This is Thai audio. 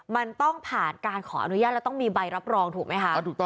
มันต้องผ่านการขออนุญาตแล้วต้องมีใบรับรองถูกไหมคะ